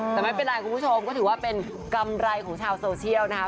แต่ไม่เป็นไรคุณผู้ชมก็ถือว่าเป็นกำไรของชาวโซเชียลนะคะ